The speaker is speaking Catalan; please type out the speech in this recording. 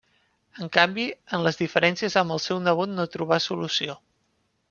En canvi, en les diferències amb el seu nebot no troba solució.